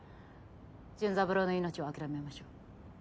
純三郎の命は諦めましょう。